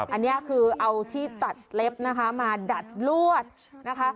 อันนี้คือเอาที่ตัดเล็บนะคะมาดัดลวดนะคะ